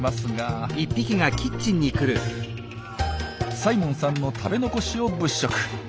サイモンさんの食べ残しを物色。